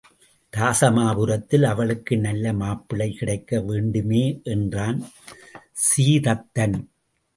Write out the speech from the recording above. இராசமாபுரத்தில் அவளுக்கு நல்ல மாப்பிள்ளை கிடைக்க வேண்டுமே என்றான் சீதத்தன்.